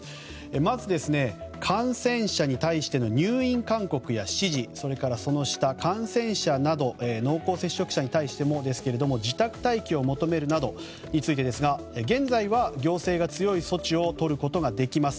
まず、感染者に対しての入院勧告や指示それから感染者など濃厚接触者に対してもですが自宅待機を求めるなどについてですが現在は行政が強い措置をとることができます。